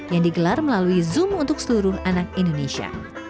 yang digelar melalui zoom untuk seluruh anak indonesia